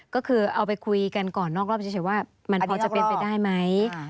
ก็คือเอาไปคุยกันก่อนนอกรอบเฉยว่ามันพอจะเป็นไปได้ไหม